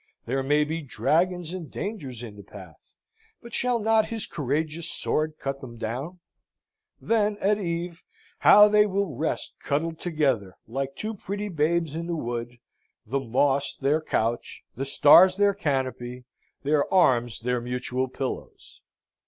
There may be dragons and dangers in the path, but shall not his courageous sword cut them down? Then at eve, how they will rest cuddled together, like two pretty babes in the wood, the moss their couch, the stars their canopy, their arms their mutual pillows!